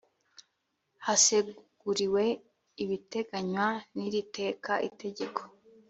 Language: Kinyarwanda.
haseguriwe ibiteganywa n iri teka itegeko